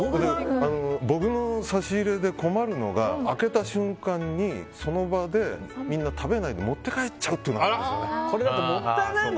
僕の差し入れで困るのが開けた瞬間に、その場でみんな食べないで持って帰っちゃうっていうのがあるんです。